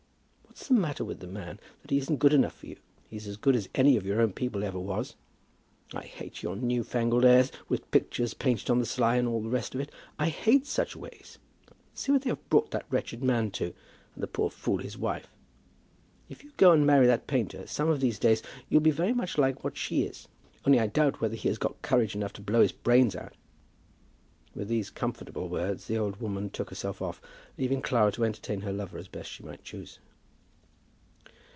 What's the matter with the man that he isn't good enough for you? He's as good as any of your own people ever was. I hate your new fangled airs, with pictures painted on the sly, and all the rest of it. I hate such ways. See what they have brought that wretched man to, and the poor fool his wife. If you go and marry that painter, some of these days you'll be very much like what she is. Only I doubt whether he has got courage enough to blow his brains out." With these comfortable words, the old woman took herself off, leaving Clara to entertain her lover as best she might choose.